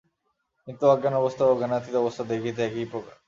কিন্তু অজ্ঞানাবস্থা ও জ্ঞানাতীত অবস্থা দেখিতে একই প্রকার।